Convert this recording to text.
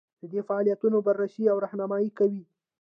دا د فعالیتونو بررسي او رهنمایي کوي.